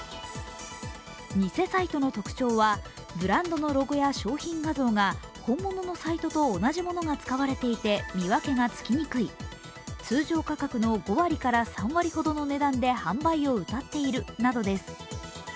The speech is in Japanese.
偽サイトの特徴はブランドのロゴや商品画像が本物のサイトと同じものが使われていて、見分けがつきにくい、通常価格の５割から３割ほどの値段で販売をうたっているなどです。